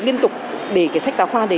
liên tục để cái sách giáo khoa đấy